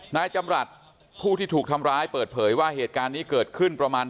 นายจำรัฐผู้ที่ถูกทำร้ายเปิดเผยว่าเหตุการณ์นี้เกิดขึ้นประมาณ